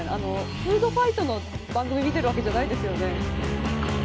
フードファイトの番組を見てるわけじゃないですよね。